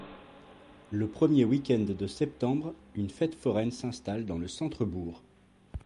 Le premier week-end de septembre une fête-foraine s'installe dans le centre bourg.